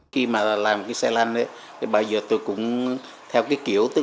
khi mà làm cái xe lăn ấy bây giờ tôi cũng theo cái kiểu